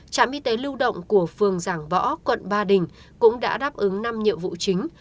trạm y tế lưu động của phường giảng võ quận ba đình cũng đã đáp ứng năm nhiệm vụ chính